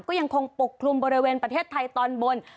ก็ยังคงปกคลุมบริเวณประเทศไทยตอนบน